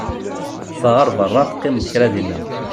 Ffeɣ ar beṛṛa, teqqimeḍ kra dinna!